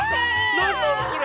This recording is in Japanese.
なんなのそれ？